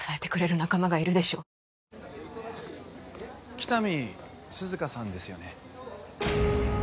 喜多見涼香さんですよね？